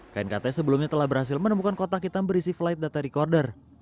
knkt sebelumnya telah berhasil menemukan kotak hitam berisi flight data recorder